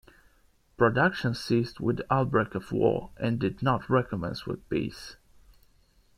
Production ceased with the outbreak of war and did not recommence with peace.